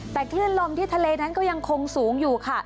แต่คลื่นลมที่ทะเลนั้นก็ยังคงสูงอยู่ค่ะ